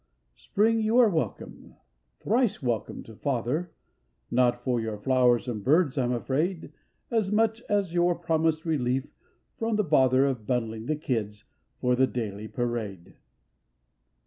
Spring, you are welcome, thrice welcome to father; Not for your flowers and birds, I'm afraid, As much as your promised relief from the bother Of bundling the kid for the daily parade.